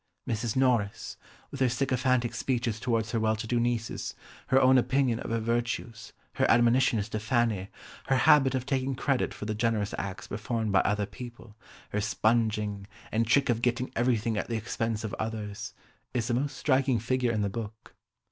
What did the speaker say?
Mrs. Norris, with her sycophantic speeches towards her well to do nieces, her own opinion of her virtues, her admonitions to Fanny, her habit of taking credit for the generous acts performed by other people, her spunging, and trick of getting everything at the expense of others, is the most striking figure in the book.